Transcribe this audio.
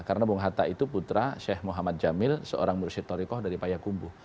karena bung hatta itu putra sheikh muhammad jamil seorang mursyid torikoh dari payakumbu